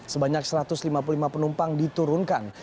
sebanyak satu ratus lima puluh lima penumpang diturunkan